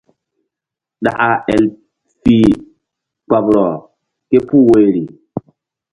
Ɗaka el fih kpoɓrɔ ke puh woyri.